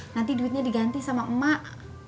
nanti duitnya diganti sama emak